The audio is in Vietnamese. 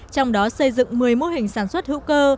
trong đó xây dựng một mươi mô hình sản xuất hữu cơ